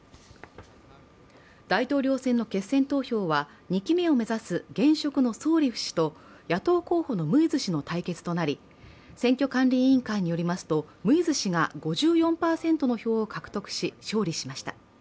大統領選の決選投票は２期目を目指す現職のソーリフ氏と野党候補のムイズ氏の対決になり、選挙管理委員会によりますと、ムイズ氏が５４％の票を獲得し、勝利しました。